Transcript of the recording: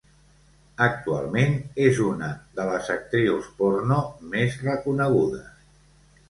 Actualment és una de les actrius porno més reconegudes.